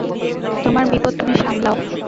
তোমার বিপদ তুমি সামলাও।